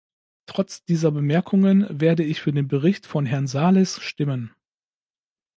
Trotz dieser Bemerkungen werde ich für den Bericht von Herrn Sarlis stimmen.